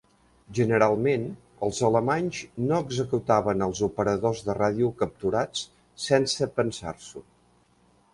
Generalment, els alemanys no executaven els operadors de ràdio capturats sense pensar-s'ho.